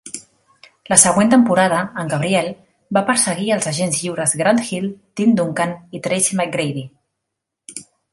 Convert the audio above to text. La següent temporada, en Gabriel, va perseguir als agents lliures Grant Hill, Tim Duncan i Tracy McGrady.